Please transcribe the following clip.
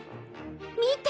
見て！